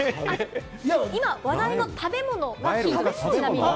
今、話題の食べ物がヒントです。